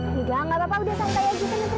enggak enggak apa apa udah santai aja